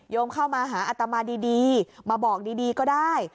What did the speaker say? มเข้ามาหาอัตมาดีมาบอกดีก็ได้